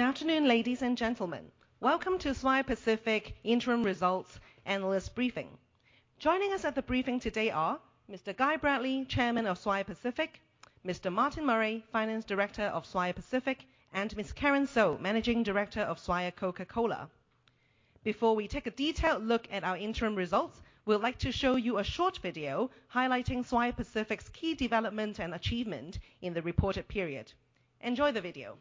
Good afternoon, ladies and gentlemen. Welcome to Swire Pacific Interim Results Analyst briefing. Joining us at the briefing today are Mr. Guy Bradley, Chairman of Swire Pacific, Mr. Martin Murray, Finance Director of Swire Pacific, and Ms. Karen So, Managing Director of Swire Coca-Cola. Before we take a detailed look at our interim results, we'd like to show you a short video highlighting Swire Pacific's key development and achievement in the reported period. Enjoy the video.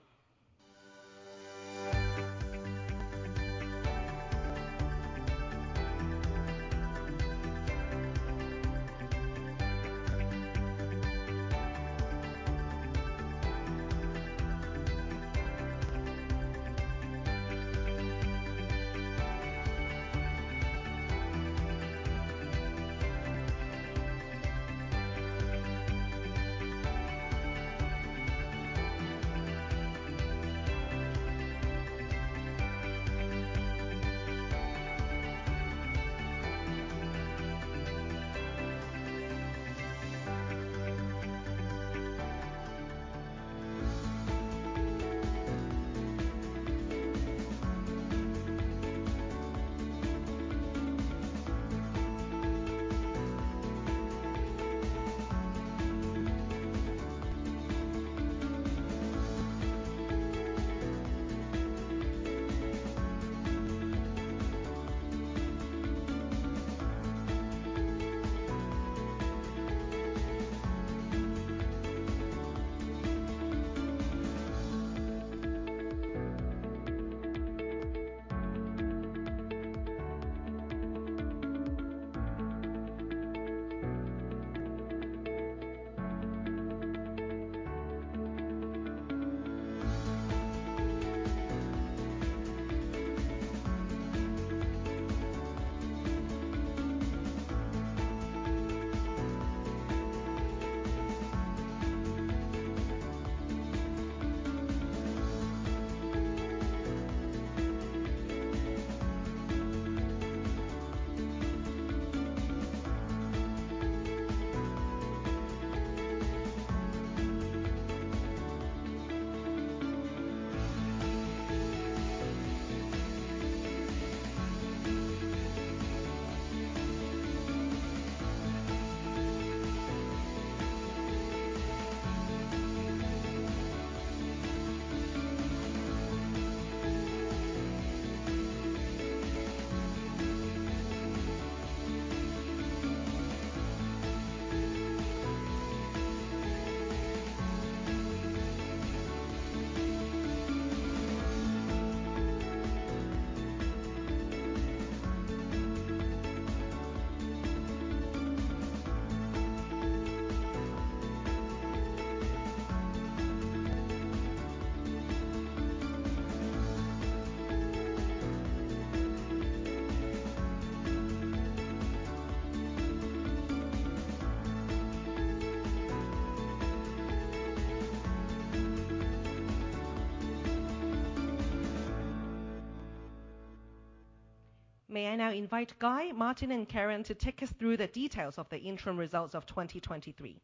May I now invite Guy, Martin, and Karen to take us through the details of the interim results of 2023.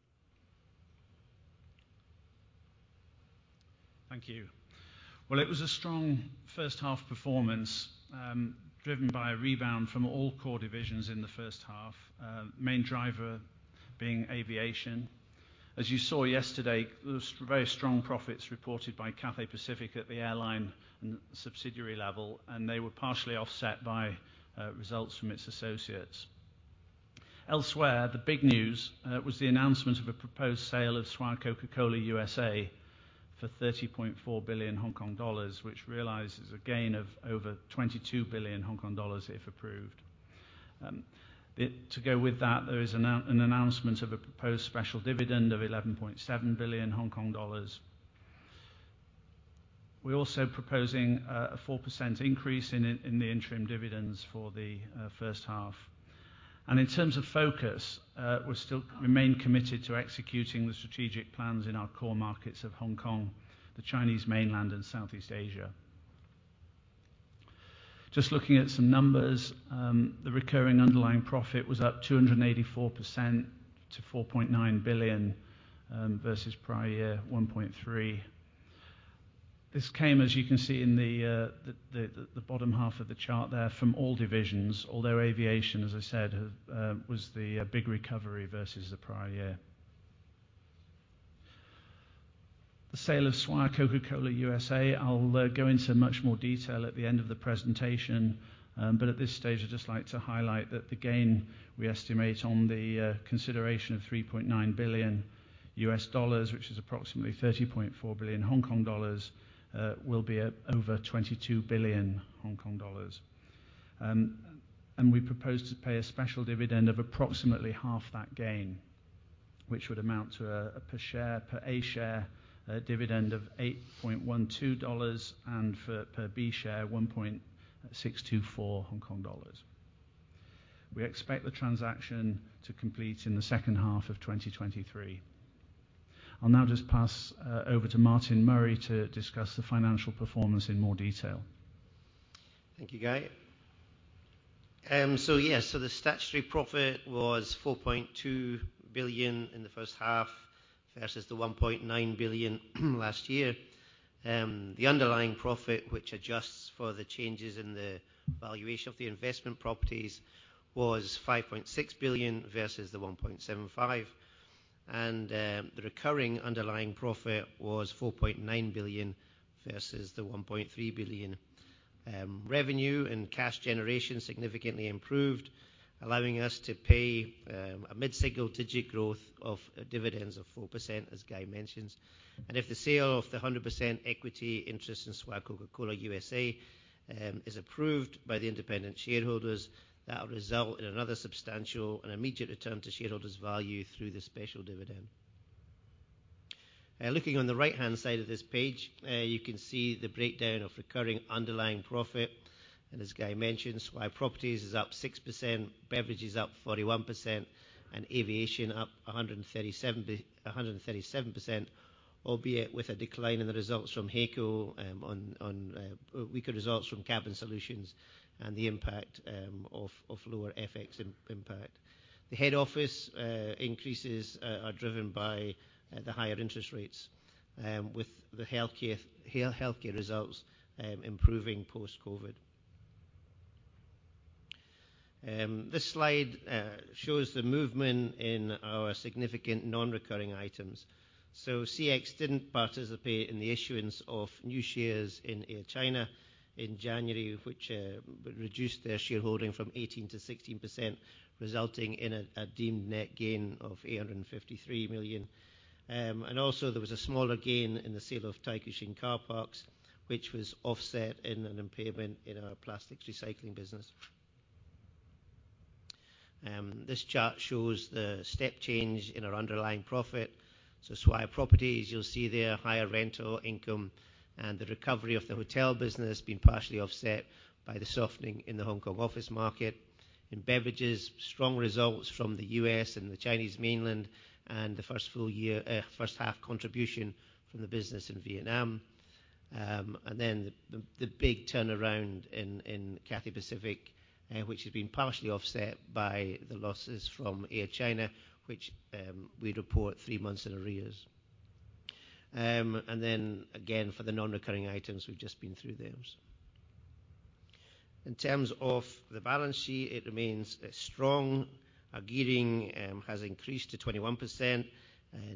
Thank you. Well, it was a strong H1 performance, driven by a rebound from all core divisions in the H1, main driver being aviation. As you saw yesterday, there was very strong profits reported by Cathay Pacific at the airline and subsidiary level, and they were partially offset by results from its associates. Elsewhere, the big news was the announcement of a proposed sale of Swire Coca-Cola, USA for 30.4 billion Hong Kong dollars, which realizes a gain of over 22 billion Hong Kong dollars if approved. To go with that, there is an announcement of a proposed special dividend of 11.7 billion Hong Kong dollars. We're also proposing a 4% increase in the interim dividends for the H1. In terms of focus, we're still remain committed to executing the strategic plans in our core markets of Hong Kong, the Chinese mainland, and Southeast Asia. Just looking at some numbers, the recurring underlying profit was up 284% to $4.9 billion versus prior year, $1.3 billion. This came, as you can see in the bottom half of the chart there from all divisions, although aviation, as I said, was the big recovery versus the prior year. The sale of Swire Coca-Cola USA, I'll go into much more detail at the end of the presentation. At this stage, I'd just like to highlight that the gain we estimate on the consideration of $3.9 billion, which is approximately 30.4 billion Hong Kong dollars, will be at over 22 billion Hong Kong dollars. We propose to pay a special dividend of approximately half that gain, which would amount to a per share, per A share, dividend of 8.12 dollars and for per B share, 1.624 Hong Kong dollars. We expect the transaction to complete in the H2 of 2023. I'll now just pass over to Martin Murray, to discuss the financial performance in more detail. Thank you, Guy. The statutory profit was 4.2 billion in the H1, versus the 1.9 billion last year. The underlying profit, which adjusts for the changes in the valuation of the investment properties, was 5.6 billion versus the 1.75 billion. The recurring underlying profit was 4.9 billion versus the 1.3 billion. Revenue and cash generation significantly improved, allowing us to pay a mid-single-digit growth of dividends of 4%, as Guy mentioned. If the sale of the 100% equity interest in Swire Coca-Cola, USA is approved by the independent shareholders, that will result in another substantial and immediate return to shareholders' value through the special dividend. Looking on the right-hand side of this page, you can see the breakdown of recurring underlying profit. As Guy mentioned, Swire Properties is up 6%, Beverages up 41%, and Aviation up 137%, albeit with a decline in the results from HAECO, on weaker results from Cabin Solutions and the impact of lower FX impact. The head office increases are driven by the higher interest rates, with the healthcare results improving post-COVID. This slide shows the movement in our significant non-recurring items. CX didn't participate in the issuance of new shares in Air China in January, which reduced their shareholding from 18% to 16%, resulting in a deemed net gain of 853 million. Also there was a smaller gain in the sale of Taikoo Shing car parks, which was offset in an impairment in our plastics recycling business. This chart shows the step change in our underlying profit. Swire Properties, you'll see there, higher rental income and the recovery of the hotel business being partially offset by the softening in the Hong Kong office market. In Beverages, strong results from the U.S. and the Chinese mainland, and the first full year, H1 contribution from the business in Vietnam. The, the, the big turnaround in, in Cathay Pacific, which has been partially offset by the losses from Air China, which we report three months in arrears. Again, for the non-recurring items, we've just been through those. In terms of the balance sheet, it remains strong. Our gearing has increased to 21%,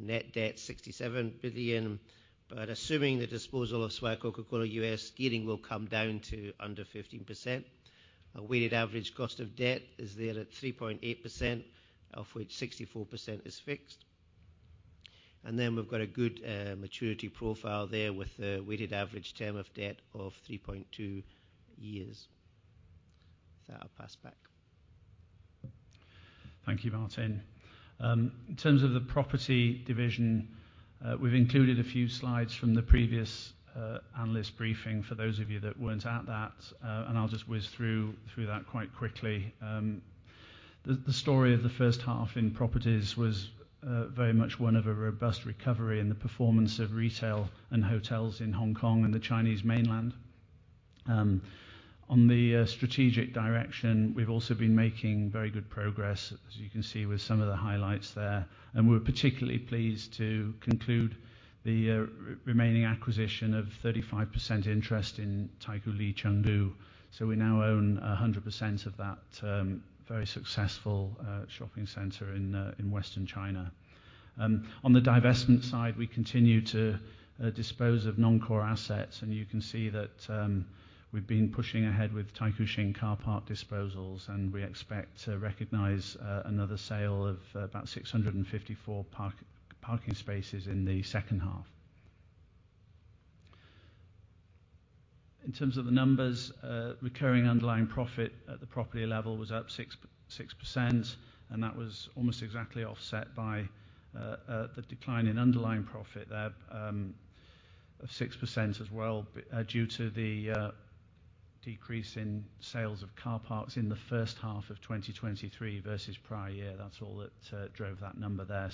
net debt, 67 billion. Assuming the disposal of Swire Coca-Cola US, gearing will come down to under 15%. Our weighted average cost of debt is there at 3.8%, of which 64% is fixed. We've got a good maturity profile there, with a weighted average term of debt of 3.2 years. With that, I'll pass back. Thank you, Martin. In terms of the Property division, we've included a few slides from the previous analyst briefing for those of you that weren't at that. I'll just whiz through that quite quickly. The story of the H1 in Properties was very much one of a robust recovery in the performance of retail and hotels in Hong Kong and the Chinese mainland. On the strategic direction, we've also been making very good progress, as you can see with some of the highlights there, and we're particularly pleased to conclude the remaining acquisition of 35% interest in Taikoo Li Chengdu. We now own 100% of that very successful shopping center in western China. On the divestment side, we continue to dispose of non-core assets, and you can see that, we've been pushing ahead with Taikoo Shing car park disposals, and we expect to recognize another sale of about 654 parking spaces in the H2. In terms of the numbers, recurring underlying profit at the property level was up 6%, and that was almost exactly offset by the decline in underlying profit there, of 6% as well, due to the decrease in sales of car parks in the H1 of 2023 versus prior year. That's all that drove that number there.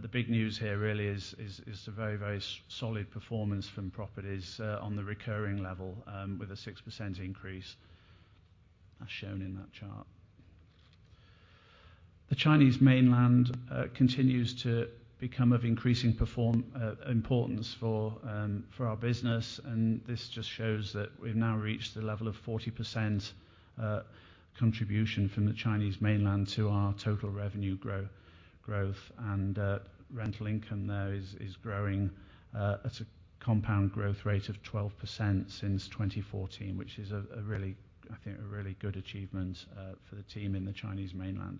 The big news here really is, is, is the very, very solid performance from Properties on the recurring level, with a 6% increase as shown in that chart. The Chinese mainland continues to become of increasing importance for our business, and this just shows that we've now reached a level of 40% contribution from the Chinese mainland to our total revenue growth. Rental income there is, is growing at a compound growth rate of 12% since 2014, which is a, a really, I think, a really good achievement for the team in the Chinese mainland.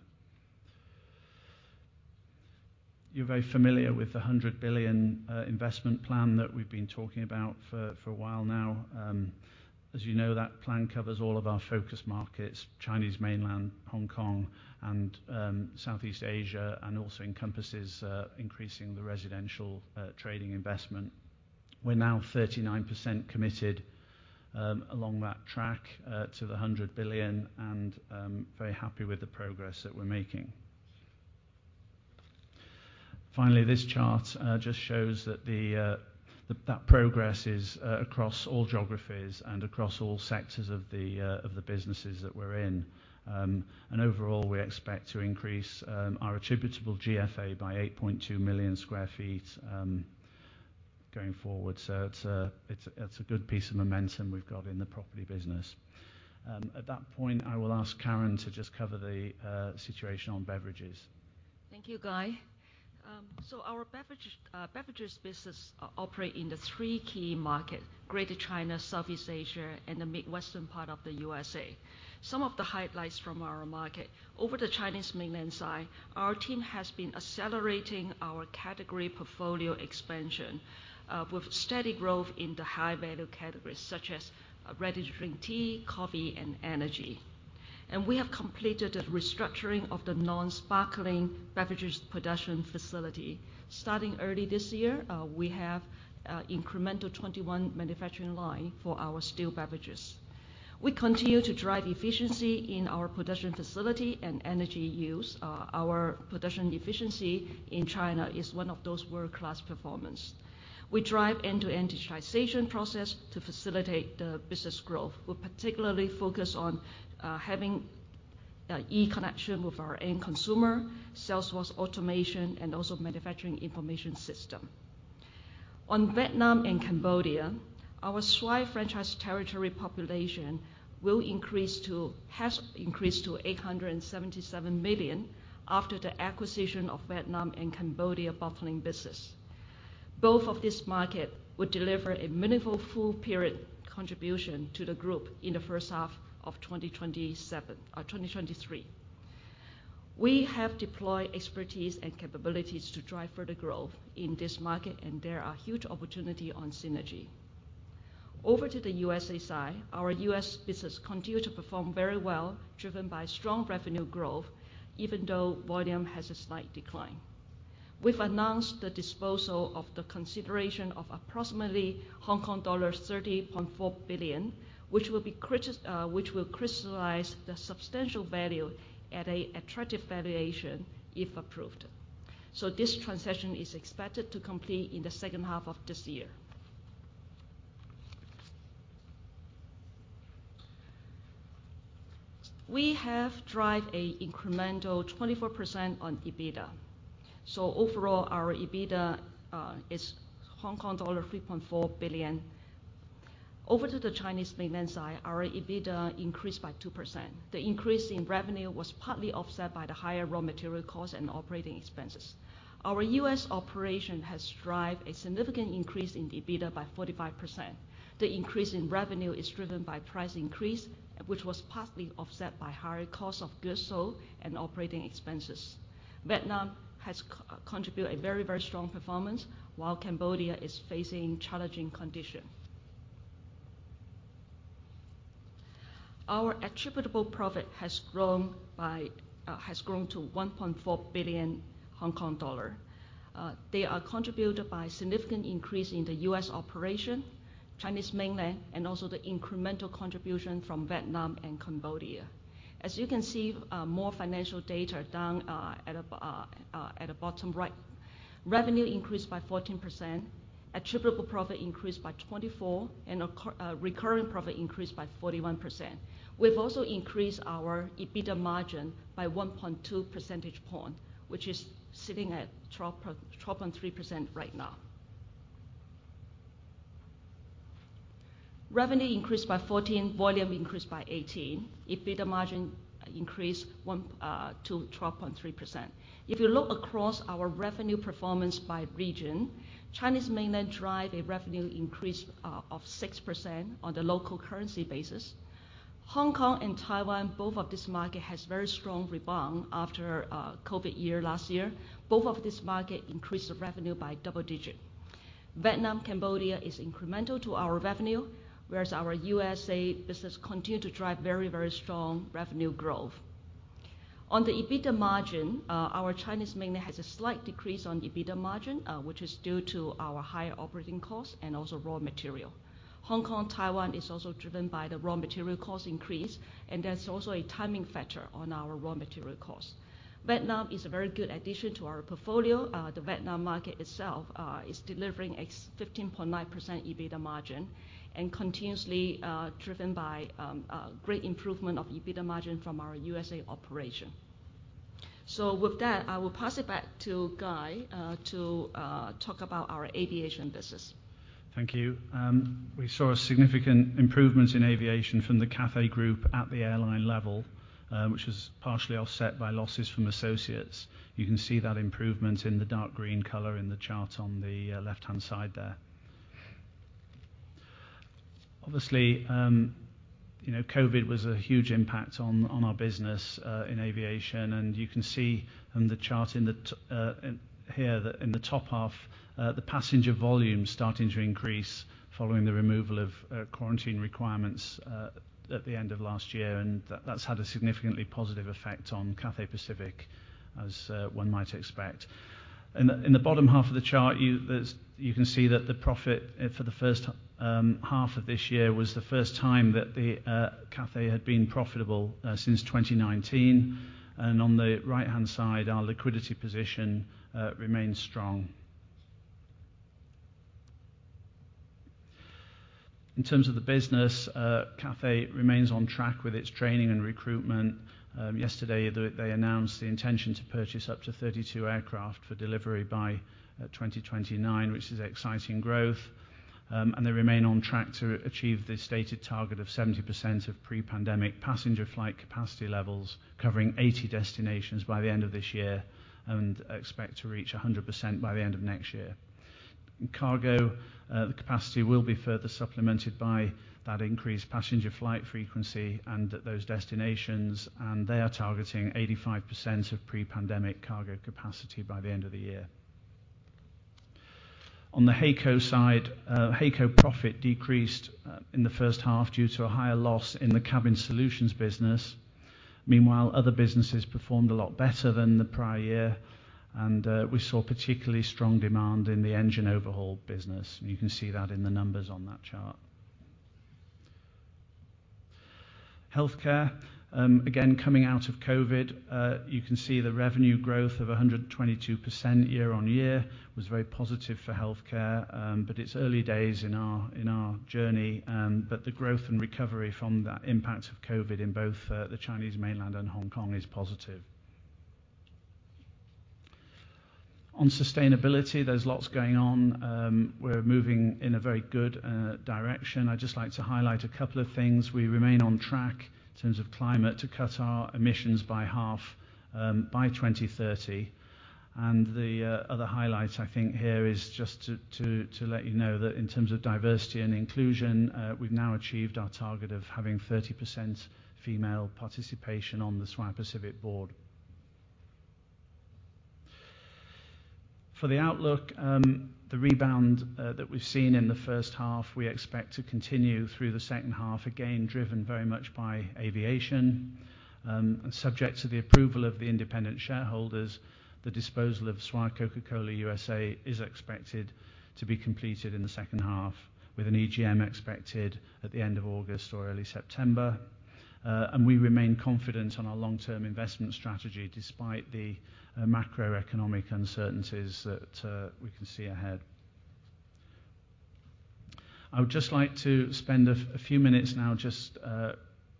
You're very familiar with the 100 billion investment plan that we've been talking about for, for a while now. As you know, that plan covers all of our focus markets: Chinese mainland, Hong Kong, and Southeast Asia, and also encompasses increasing the residential trading investment. We're now 39% committed along that track to the 100 billion, and very happy with the progress that we're making. Finally, this chart just shows that the that progress is across all geographies and across all sectors of the businesses that we're in. Overall, we expect to increase our attributable GFA by 8.2 million sq ft going forward. It's a, it's a, it's a good piece of momentum we've got in the property business. At that point, I will ask Karen to just cover the situation on beverages. Thank you, Guy. Our beverage beverages business operate in the three key market: Greater China, Southeast Asia, and the mid-western part of the USA. Some of the highlights from our market. Over the Chinese mainland side, our team has been accelerating our category portfolio expansion with steady growth in the high-value categories, such as ready-to-drink tea, coffee, and energy. We have completed a restructuring of the non-sparkling beverages production facility. Starting early this year, we have incremental 21 manufacturing line for our still beverages. We continue to drive efficiency in our production facility and energy use. Our production efficiency in China is one of those world-class performance. We drive end-to-end digitization process to facilitate the business growth. We're particularly focused on having e-connection with our end consumer, salesforce automation, and also manufacturing information system. On Vietnam and Cambodia, our Swire franchise territory population has increased to 877 million after the acquisition of Vietnam and Cambodia bottling business. Both of this market will deliver a meaningful full period contribution to the group in the H1 of 2023. We have deployed expertise and capabilities to drive further growth in this market. There are huge opportunity on synergy. Over to the USA side, our US business continue to perform very well, driven by strong revenue growth, even though volume has a slight decline. We've announced the disposal of the consideration of approximately Hong Kong dollars 30.4 billion, which will crystallize the substantial value at a attractive valuation, if approved. This transaction is expected to complete in the H2 of this year. We have drive a incremental 24% on EBITDA. Overall, our EBITDA is Hong Kong dollar 3.4 billion. Over to the Chinese mainland side, our EBITDA increased by 2%. The increase in revenue was partly offset by the higher raw material costs and operating expenses. Our U.S. operation has drive a significant increase in EBITDA by 45%. The increase in revenue is driven by price increase, which was partly offset by higher cost of goods sold and operating expenses. Vietnam has contributed a very, very strong performance, while Cambodia is facing challenging condition. Our attributable profit has grown by has grown to 1.4 billion Hong Kong dollar. They are contributed by significant increase in the U.S. operation, Chinese mainland, and also the incremental contribution from Vietnam and Cambodia. As you can see, more financial data down at the bottom right. Revenue increased by 14%, attributable profit increased by 24%, and recurring profit increased by 41%. We've also increased our EBITDA margin by 1.2 percentage point, which is sitting at 12.3% right now. Revenue increased by 14, volume increased by 18. EBITDA margin increased 1 to 12.3%. If you look across our revenue performance by region, Chinese mainland drive a revenue increase of 6% on the local currency basis. Hong Kong and Taiwan, both of this market has very strong rebound after COVID year last year. Both of this market increased revenue by double digit. Vietnam, Cambodia is incremental to our revenue, whereas our USA business continue to drive very, very strong revenue growth. On the EBITDA margin, our Chinese mainland has a slight decrease on EBITDA margin, which is due to our higher operating costs and also raw material. Hong Kong, Taiwan is also driven by the raw material cost increase, and there's also a timing factor on our raw material cost. Vietnam is a very good addition to our portfolio. The Vietnam market itself is delivering a 15.9% EBITDA margin and continuously driven by great improvement of EBITDA margin from our USA operation. With that, I will pass it back to Guy, to talk about our aviation business. Thank you. We saw a significant improvement in aviation from the Cathay Pacific group at the airline level, which was partially offset by losses from associates. You can see that improvement in the dark green color in the chart on the left-hand side there. Obviously, you know, COVID was a huge impact on our business in aviation, and you can see on the chart in here, that in the top half, the passenger volume starting to increase following the removal of quarantine requirements at the end of last year, and that's had a significantly positive effect on Cathay Pacific, as one might expect. In the, in the bottom half of the chart, you, you can see that the profit for the H1 of this year was the first time that the Cathay had been profitable since 2019. On the right-hand side, our liquidity position remains strong. In terms of the business, Cathay remains on track with its training and recruitment. Yesterday, they, they announced the intention to purchase up to 32 aircraft for delivery by 2029, which is exciting growth. They remain on track to achieve the stated target of 70% of pre-pandemic passenger flight capacity levels, covering 80 destinations by the end of this year, and expect to reach 100% by the end of next year. In cargo, the capacity will be further supplemented by that increased passenger flight frequency and at those destinations. They are targeting 85% of pre-pandemic cargo capacity by the end of the year. On the HAECO side, HAECO profit decreased in the H1 due to a higher loss in the Cabin Solutions business. Meanwhile, other businesses performed a lot better than the prior year. We saw particularly strong demand in the engine overhaul business. You can see that in the numbers on that chart. Healthcare, again, coming out of COVID, you can see the revenue growth of 122% year on year was very positive for healthcare. It's early days in our, in our journey. The growth and recovery from that impact of COVID in both the Chinese mainland and Hong Kong is positive. On sustainability, there's lots going on. We're moving in a very good direction. I'd just like to highlight a couple of things. We remain on track, in terms of climate, to cut our emissions by half by 2030. The other highlight, I think, here is just to let you know that in terms of diversity and inclusion, we've now achieved our target of having 30% female participation on the Swire Pacific board. For the outlook, the rebound that we've seen in the H1, we expect to continue through the H2, again, driven very much by aviation. Subject to the approval of the independent shareholders, the disposal of Swire Coca-Cola USA is expected to be completed in the H2, with an EGM expected at the end of August or early September. We remain confident on our long-term investment strategy, despite the macroeconomic uncertainties that we can see ahead. I would just like to spend a few minutes now just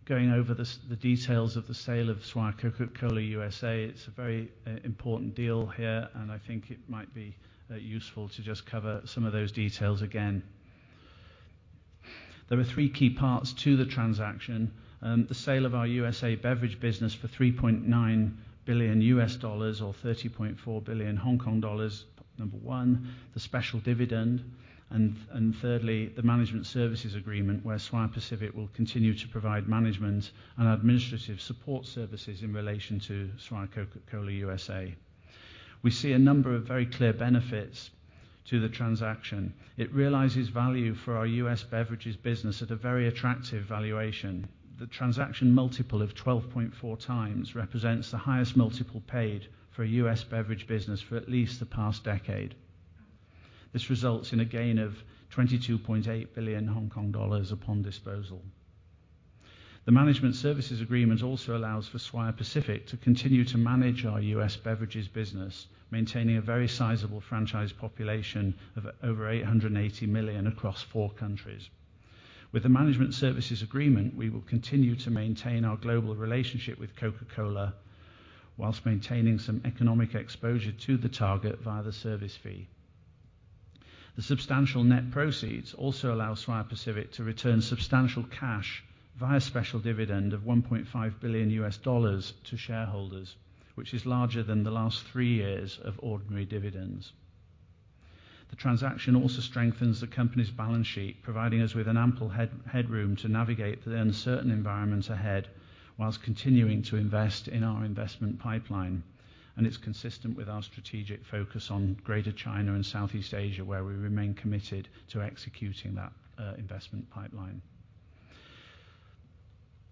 going over the details of the sale of Swire Coca-Cola, USA. It's a very important deal here, and I think it might be useful to just cover some of those details again. There are 3 key parts to the transaction, the sale of our USA beverages business for $3.9 billion, or 30.4 billion Hong Kong dollars, number one, the special dividend, and thirdly, the management services agreement, where Swire Pacific will continue to provide management and administrative support services in relation to Swire Coca-Cola, USA. We see a number of very clear benefits to the transaction. It realizes value for our U.S. beverages business at a very attractive valuation. The transaction multiple of 12.4x represents the highest multiple paid for a U.S. beverage business for at least the past decade. This results in a gain of 22.8 billion Hong Kong dollars upon disposal. The management services agreement also allows for Swire Pacific to continue to manage our U.S. beverages business, maintaining a very sizable franchise population of over 880 million across four countries. With the management services agreement, we will continue to maintain our global relationship with Coca-Cola, while maintaining some economic exposure to the target via the service fee. The substantial net proceeds also allow Swire Pacific to return substantial cash via special dividend of $1.5 billion to shareholders, which is larger than the last 3 years of ordinary dividends. The transaction also strengthens the company's balance sheet, providing us with an ample headroom to navigate the uncertain environment ahead, whilst continuing to invest in our investment pipeline. It's consistent with our strategic focus on Greater China and Southeast Asia, where we remain committed to executing that investment pipeline.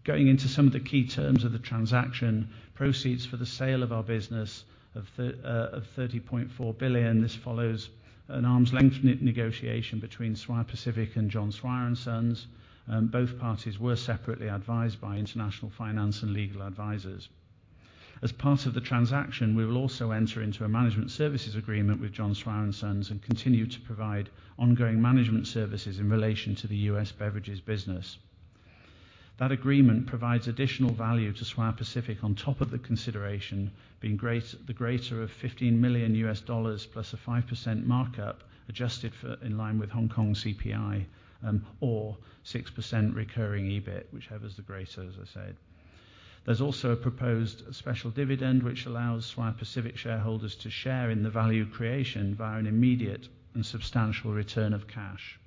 Going into some of the key terms of the transaction. Proceeds for the sale of our business of 30.4 billion. This follows an arm's length negotiation between Swire Pacific and John Swire & Sons. Both parties were separately advised by international finance and legal advisors. As part of the transaction, we will also enter into a management services agreement with John Swire & Sons and continue to provide ongoing management services in relation to the US beverages business. That agreement provides additional value to Swire Pacific on top of the consideration, being the greater of $15 million, plus a 5% markup, adjusted for in line with Hong Kong CPI, or 6% recurring EBIT, whichever is the greater, as I said. There's also a proposed special dividend, which allows Swire Pacific shareholders to share in the value creation via an immediate and substantial return of cash.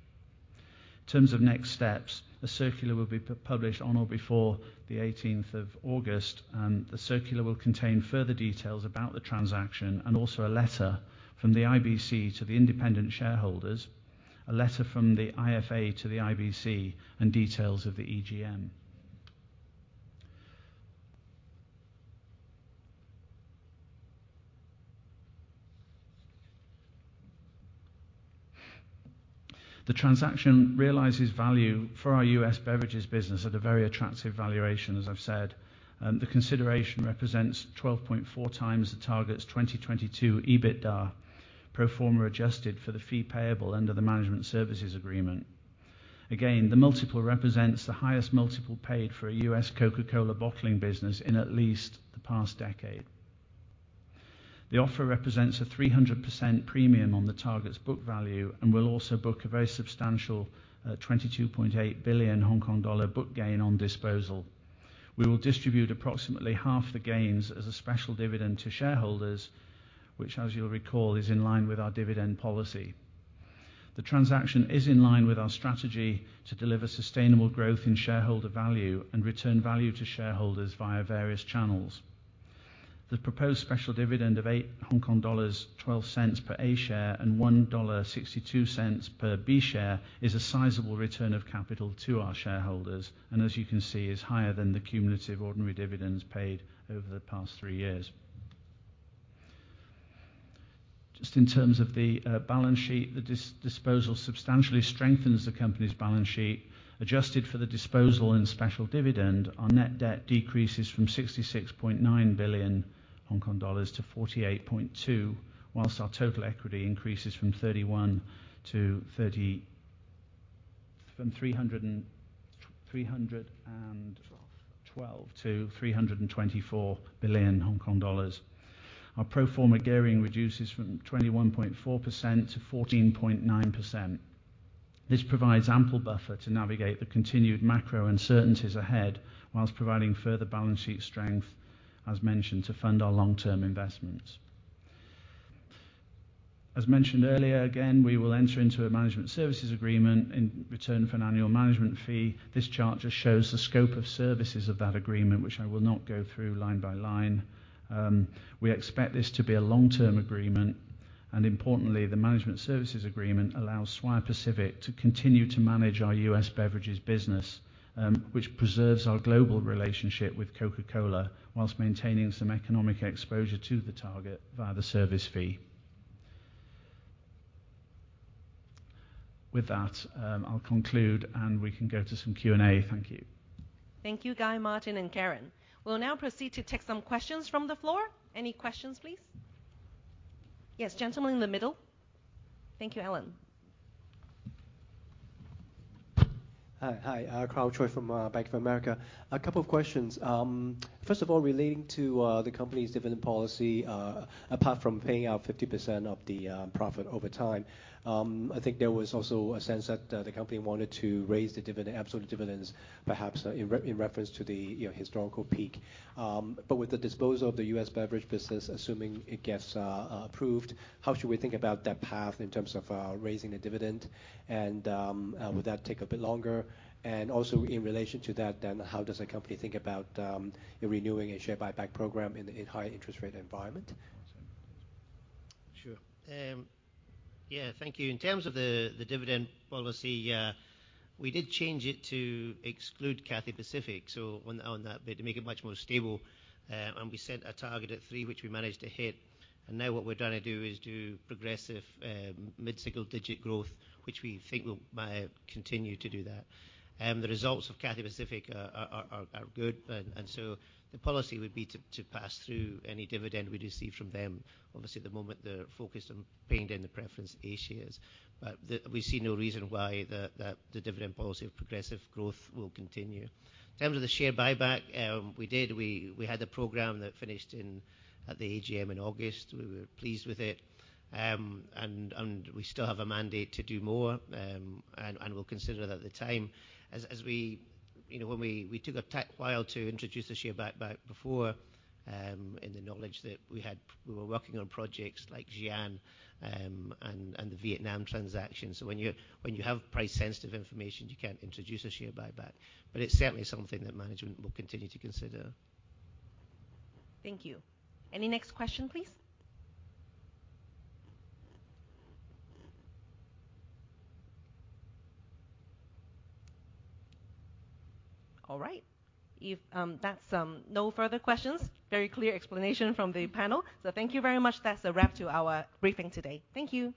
In terms of next steps, a circular will be published on or before the 18th of August, and the circular will contain further details about the transaction, and also a letter from the IBC to the independent shareholders, a letter from the IFA to the IBC, and details of the EGM. The transaction realizes value for our US beverages business at a very attractive valuation, as I've said. The consideration represents 12.4x the target's 2022 EBITDA, pro forma adjusted for the fee payable under the management services agreement. Again, the multiple represents the highest multiple paid for a US Coca-Cola bottling business in at least the past decade. The offer represents a 300% premium on the target's book value and will also book a very substantial 22.8 billion Hong Kong dollar book gain on disposal. We will distribute approximately half the gains as a special dividend to shareholders, which, as you'll recall, is in line with our dividend policy. The transaction is in line with our strategy to deliver sustainable growth in shareholder value and return value to shareholders via various channels. The proposed special dividend of 8.12 Hong Kong dollars per A share and 1.62 dollar per B share, is a sizable return of capital to our shareholders, and as you can see, is higher than the cumulative ordinary dividends paid over the past 3 years. Just in terms of the balance sheet, the disposal substantially strengthens the company's balance sheet. Adjusted for the disposal and special dividend, our net debt decreases from 66.9 billion Hong Kong dollars to 48.2 billion, whilst our total equity increases from 312 billion to 324 billion Hong Kong dollars. Our pro forma gearing reduces from 21.4% to 14.9%. This provides ample buffer to navigate the continued macro uncertainties ahead, whilst providing further balance sheet strength, as mentioned, to fund our long-term investments. As mentioned earlier, again, we will enter into a management services agreement in return for an annual management fee. This chart just shows the scope of services of that agreement, which I will not go through line by line. We expect this to be a long-term agreement, and importantly, the management services agreement allows Swire Pacific to continue to manage our U.S. beverages business, which preserves our global relationship with Coca-Cola, whilst maintaining some economic exposure to the target via the service fee. With that, I'll conclude, and we can go to some Q&A. Thank you. Thank you, Guy, Martin, and Karen. We'll now proceed to take some questions from the floor. Any questions, please? Yes, gentleman in the middle. Thank you, Alan. Hi, hi, Karl Choi from Bank of America. A couple of questions. First of all, relating to the company's dividend policy, apart from paying out 50% of the profit over time, I think there was also a sense that the company wanted to raise the dividend, absolute dividends, perhaps in reference to the, you know, historical peak. With the disposal of the US beverage business, assuming it gets approved, how should we think about that path in terms of raising the dividend? Would that take a bit longer? Also, in relation to that, then, how does the company think about renewing a share buyback program in a higher interest rate environment? Sure. Thank you. In terms of the, the dividend policy, we did change it to exclude Cathay Pacific, so on the, on that bit to make it much more stable. We set a target at 3, which we managed to hit, and now what we're trying to do is do progressive, mid-single digit growth, which we think will continue to do that. The results of Cathay Pacific are, are, are, are good, and so the policy would be to, to pass through any dividend we receive from them. Obviously, at the moment they're focused on paying down the preference A shares. Then, we see no reason why the, the, the dividend policy of progressive growth will continue. In terms of the share buyback, we did, we, we had a program that finished in, at the AGM in August. We were pleased with it. And we still have a mandate to do more, and, and we'll consider that at the time. You know, when we, we took a while to introduce the share buyback before, in the knowledge that we had, we were working on projects like Xi'an, and, and the Vietnam transaction. When you, when you have price sensitive information, you can't introduce a share buyback. It's certainly something that management will continue to consider. Thank you. Any next question, please? All right. If that's no further questions, very clear explanation from the panel. Thank you very much. That's a wrap to our briefing today. Thank you.